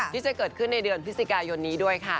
ที่จะเกิดขึ้นในเดือนพฤศจิกายนนี้ด้วยค่ะ